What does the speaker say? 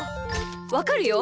わかるよ。